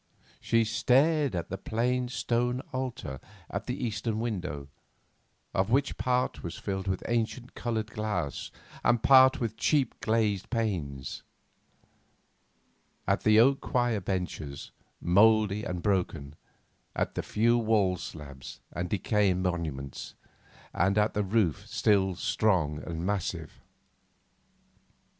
She stared at the plain stone altar, at the eastern window, of which part was filled with ancient coloured glass and part with cheap glazed panes; at the oak choir benches, mouldy and broken; at the few wall slabs and decaying monuments, and at the roof still strong and massive.